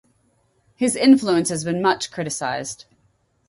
His influence has been much criticized.